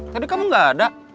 tadi kamu gak ada